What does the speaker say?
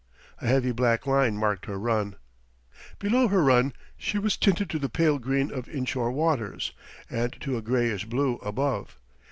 A heavy black line marked her run. Below her run she was tinted to the pale green of inshore waters, and to a grayish blue above.